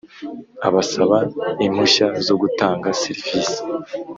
Abasaba impushya zo gutanga serivisi